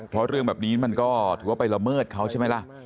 เพราะเรื่องแบบนี้มันก็ถือว่าไปละเมิดเขาใช่ไหมล่ะ